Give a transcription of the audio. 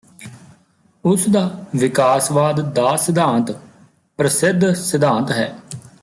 ਉਸ ਦਾ ਵਿਕਾਸਵਾਦ ਦਾ ਸਿਧਾਂਤ ਪ੍ਰਸਿੱਧ ਸਿਧਾਂਤ ਹੈ